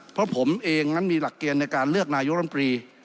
เพราะผมเองนั้นมีหลักเกณฑ์ในการเลือกนายกรรมตรี